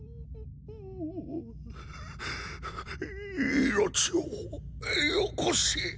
命をよこせ。